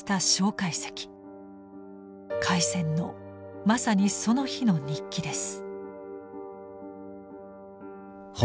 開戦のまさにその日の日記です。